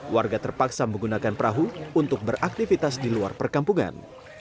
warga terpaksa menggunakan perahu untuk beraktivitas di luar perkampungan